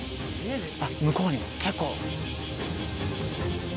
あっ向こうにも結構。